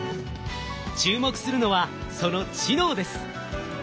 注目するのはその知能です。